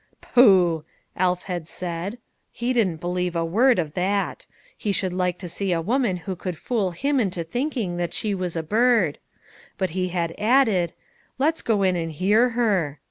" Poh !" Alf had said ; he didn't believe a word of that ; he should like to see a woman who could fool him into thinking that she was a bird ! but he had added, " Let's go in and hear her."